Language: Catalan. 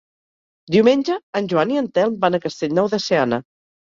Diumenge en Joan i en Telm van a Castellnou de Seana.